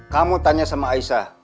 kamu tanya sama aisyah